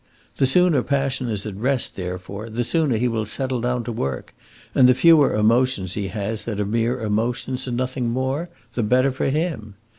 The sooner passion is at rest, therefore, the sooner he will settle down to work, and the fewer emotions he has that are mere emotions and nothing more, the better for him.